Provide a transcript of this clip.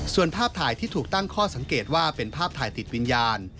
ส่วนภาพถ่ายที่ถูกตั้งข้อสังเกตว่าเป็นภาพถ่ายติดวิญญาณ